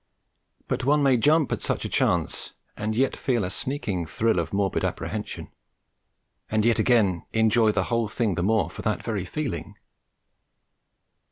But one may jump at such a chance and yet feel a sneaking thrill of morbid apprehension, and yet again enjoy the whole thing the more for that very feeling.